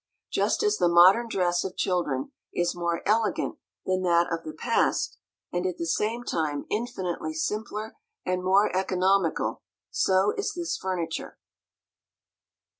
Just as the modern dress of children is more elegant than that of the past, and at the same time infinitely simpler and more economical, so is this furniture.